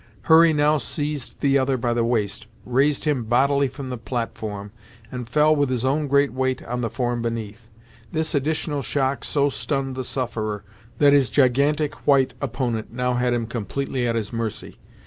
Hurry now seized the other by the waist, raised him bodily from the platform, and fell with his own great weight on the form beneath. This additional shock so stunned the sufferer, that his gigantic white opponent now had him completely at his mercy.